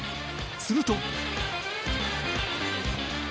すると。